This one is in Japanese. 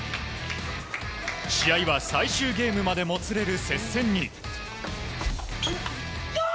試合は最終ゲームまでもつれる接戦に。